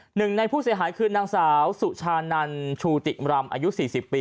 หนึ่งในผู้เสียหายคือนางสาวสุชานันชูติมรำอายุ๔๐ปี